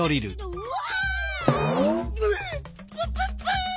うわ！